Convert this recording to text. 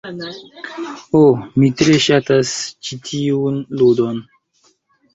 Ho, mi tre ŝatas ĉi tiun ludon.